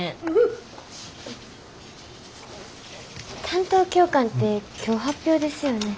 担当教官って今日発表ですよね？